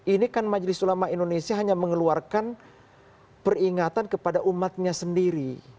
ini kan majelis ulama indonesia hanya mengeluarkan peringatan kepada umatnya sendiri